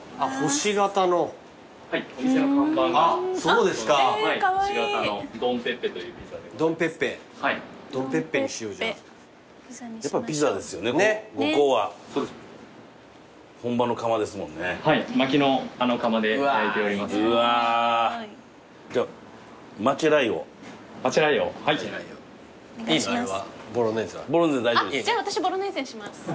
あっじゃ私ボロネーゼにします。